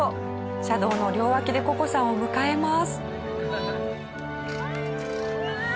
車道の両脇でココさんを迎えます。